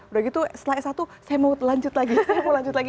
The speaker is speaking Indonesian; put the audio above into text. udah gitu setelah s satu saya mau lanjut lagi saya mau lanjut lagi